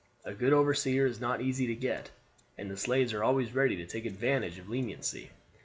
A good overseer is not easy to get, and the slaves are always ready to take advantage of leniency.